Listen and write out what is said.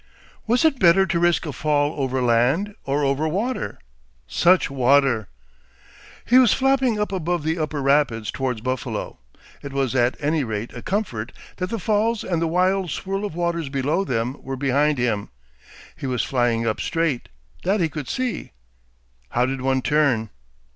Was it better to risk a fall over land or over water such water? He was flapping up above the Upper Rapids towards Buffalo. It was at any rate a comfort that the Falls and the wild swirl of waters below them were behind him. He was flying up straight. That he could see. How did one turn?